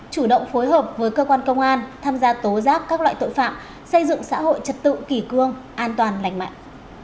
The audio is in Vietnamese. chủ động phối hợp với cơ quan công an tham gia tố giác các loại tội phạm xây dựng xã hội trật tự kỷ cương an toàn lành mạnh